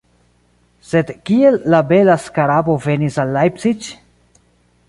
Sed kiel la bela skarabo venis al Leipzig?